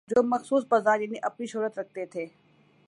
جو مخصوص بازار اپنی شہرت رکھتے تھے۔